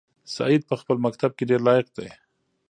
سعید په خپل مکتب کې ډېر لایق دی.